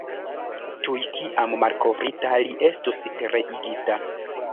Tuj kiam malkovrita, li estus pereigita.